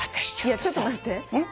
いやちょっと待って。